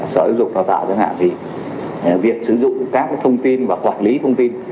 sở giáo dục đào tạo chẳng hạn thì việc sử dụng các thông tin và quản lý thông tin